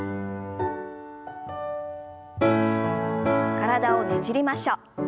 体をねじりましょう。